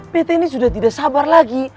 pt ini sudah tidak sabar lagi